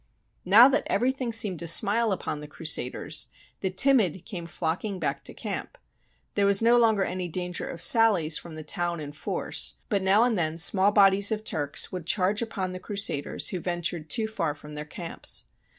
Now that everything seemed to smile upon the Crusaders, the timid came flocking back to camp. There was no longer any danger of sallies from the town in force, but now and then small bodies of Turks would charge upon the Crusaders who ven tured too far from their camps.